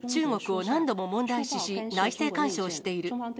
日本は中国を何度も問題視し、内政干渉している。